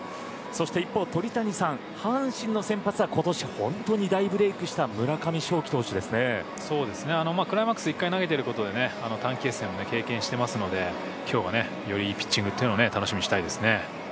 一方、鳥谷さん阪神の先発は今年、本当に大ブレイクしたクライマックスで１回投げていることで短期決戦も経験していますので今日もいいピッチングを楽しみにしたいですね。